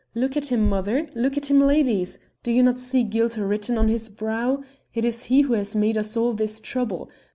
Look at him, mother; look at him, ladies! Do you not see guilt written on his brow? It is he who has made us all this trouble.